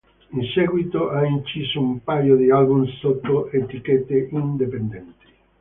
In seguito ha inciso un paio di album sotto etichette indipendenti.